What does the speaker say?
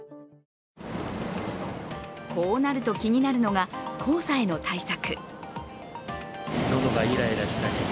こうなると気になるのが黄砂への対策。